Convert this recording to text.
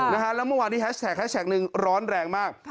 แล้วเมื่อวานที่แฮชแท็กหนึ่งร้อนแรงมาก